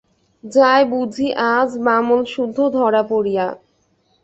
যায় বুঝি আজ বামলসুদ্ধ ধরা পড়িয়া!